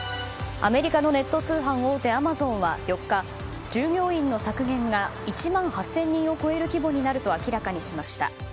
アマゾンは４日従業員の削減が１万８０００人を超える規模になると明らかにしました。